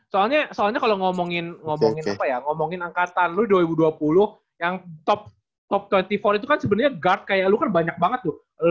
soalnya kalo ngomongin angkatan lu dua ribu dua puluh yang top dua puluh empat itu kan sebenernya guard kayak lu kan banyak banget tuh